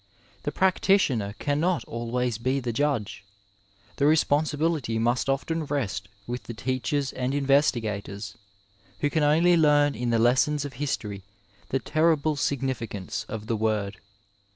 The practitioner cannot always be the judge; the responsibility must often rest with the teachers and investigators, who can only learn in the lessons of history the terrible significance of the word.